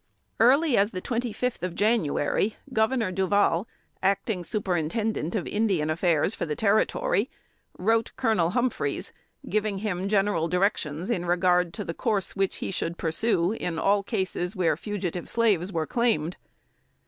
Early as the twenty fifth of January, Governor Duval, acting Superintendent of Indian Affairs for the Territory, wrote Colonel Humphreys, giving him general directions in regard to the course which he should pursue in all cases where fugitive slaves were claimed.